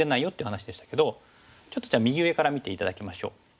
ちょっとじゃあ右上から見て頂きましょう。